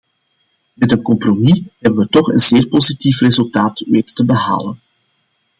Met een compromis hebben we toch een zeer positief resultaat weten te behalen.